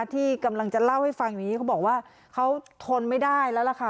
ที่กำลังจะเล่าให้ฟังอย่างนี้เขาบอกว่าเขาทนไม่ได้แล้วล่ะค่ะ